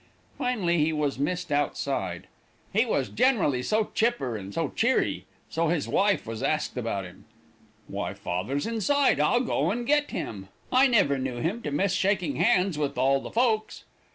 "Finally he was missed outside. He was generally so chipper and so cheery. So his wife was asked about him. 'Why, father's inside. I'll go and get him. I never knew him to miss shaking hands with all the folks.'